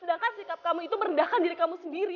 sedangkan sikap kamu itu merendahkan diri kamu sendiri